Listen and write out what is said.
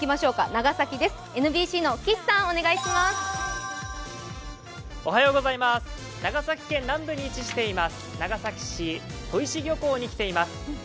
長崎県南部に位置しています長崎市・戸石漁港に来ています。